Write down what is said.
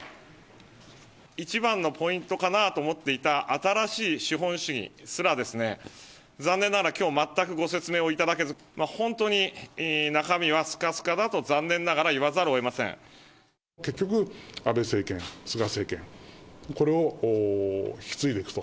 一番のポイントかなと思っていた新しい資本主義すら、残念ながら、きょう全くご説明をいただけず、本当に中身はすかすかだと、結局、安倍政権、菅政権、これを引き継いでいくと。